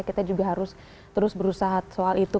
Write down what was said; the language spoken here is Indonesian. kita juga harus terus berusaha soal itu